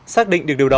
xác định được điều đó